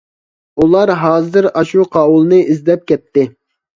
ئۇلار ھازىر ئاشۇ قاۋۇلنى ئىزدەپ كەتتى.